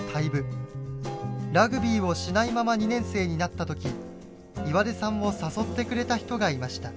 ラグビーをしないまま２年生になった時岩出さんを誘ってくれた人がいました。